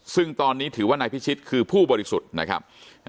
ซึ่งตอนนี้ถือว่านายพิชิตคือผู้บริสุทธิ์นะครับ